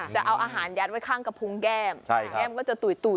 จะเอาอาหารยัดไว้ข้างกระพุงแก้มแก้มก็จะตุ๋ย